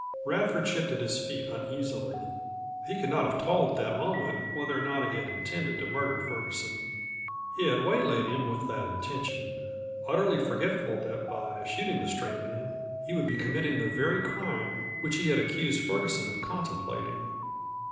Radford shifted his feet uneasily. He could not have told at that moment whether or not he had intended to murder Ferguson. He had waylaid him with that intention, utterly forgetful that by shooting the stray man he would be committing the very crime which he had accused Ferguson of contemplating.